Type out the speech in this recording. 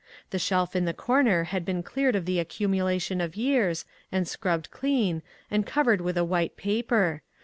The shelf in the corner had been cleared of the accumulation of years, and scrubbed clean, and covered with a white paper.